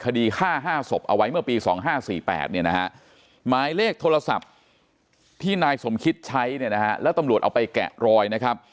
พอดี๕๕ศพเอาไว้เมื่อปี๒๕๔๘หมายเลขโทรศัพท์ที่นายสมคิตใช้แล้วตำรวจเอาไปแกะรอย